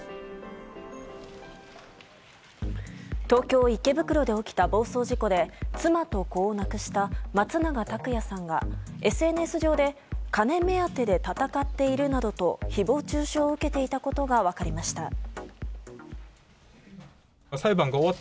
東京・池袋で起きた暴走事故で妻と子を亡くした松永拓也さんがＳＮＳ上で金目当てで闘っているなどと誹謗中傷を受けていたことが分かりました。